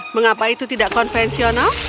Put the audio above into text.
mengapa itu tidak konvensional